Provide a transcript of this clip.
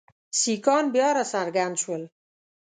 سیکهان بیا را څرګند شول.